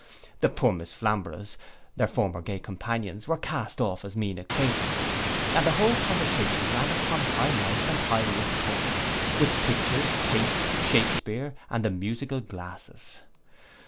The poor Miss Flamboroughs, their former gay companions, were cast off as mean acquaintance, and the whole conversation ran upon high life and high lived company, with pictures, taste, Shakespear, and the musical glasses.